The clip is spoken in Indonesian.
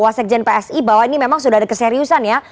wasekjen psi bahwa ini memang sudah ada keseriusan ya